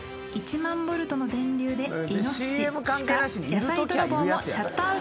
１万ボルトの電流でイノシシ鹿野菜泥棒もシャットアウト。